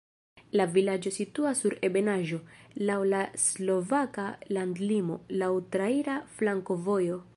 La vilaĝo situas sur ebenaĵo, laŭ la slovaka landlimo, laŭ traira flankovojo.